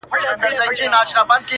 دا کیسه به په رباب کي شرنګېدله!